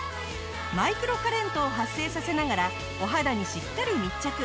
マイクロカレントを発生させながらお肌にしっかり密着。